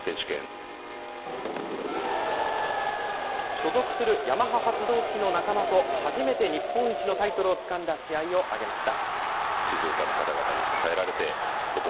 所属するヤマハ発動機の仲間と、初めて日本一のタイトルをつかんだ試合を挙げました。